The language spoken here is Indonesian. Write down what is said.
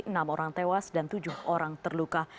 enam orang tewas dan tujuh orang terluka